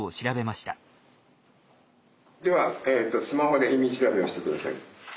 ではスマホで意味調べをして下さい。